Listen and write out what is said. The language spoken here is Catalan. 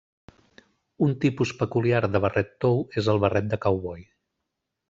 Un tipus peculiar de barret tou és el barret de cowboy.